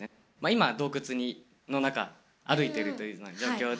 今、洞窟の中歩いてるというような状況で。